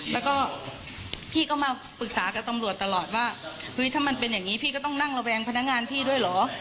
แล้วก็พี่ก็มาปรึกษากับตำรวจตลอดว่าเฮ้ยถ้ามันเป็นอย่างนี้พี่ก็ต้องนั่งระแวงพนักงานพี่ด้วยเหรอ